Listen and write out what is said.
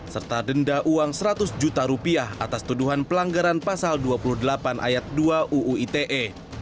serta denda uang seratus juta rupiah atas tuduhan pelanggaran pasal dua puluh delapan ayat dua uu ite